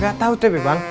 gak tau tebe bang